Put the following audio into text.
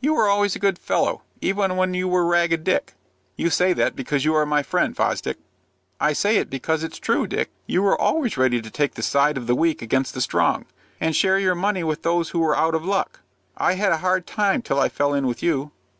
"You were always a good fellow, even when you were Ragged Dick." "You say that because you are my friend, Fosdick." "I say it because it's true, Dick. You were always ready to take the side of the weak against the strong, and share your money with those who were out of luck. I had a hard time till I fell in with you."